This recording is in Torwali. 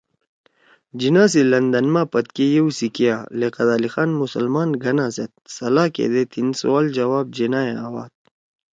جناح سی لندن ما پدکے ییؤ سی کیا لیاقت علی خان مسلمان گھنا سیت صلا کیدے تھیِن سوال جواب جناح ئے آواد